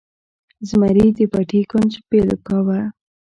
زمري د پټي کونج بیل کاوه.